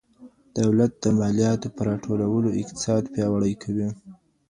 دولت د مالیاتو په راټولولو اقتصاد پیاوړی کوي.